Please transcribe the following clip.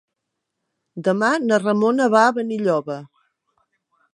Demà na Ramona va a Benilloba.